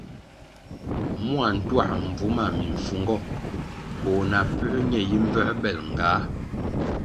Mua ntuā mbvu ma mimfungo koh puē ñe yi mvuēbel ngah?